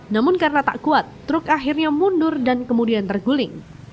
namun karena tak kuat truk akhirnya mundur dan kemudian terguling